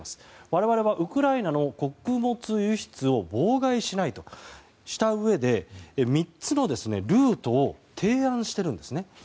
我々はウクライナの穀物輸出を妨害しないとしたうえで３つのルートを提案しているんですね。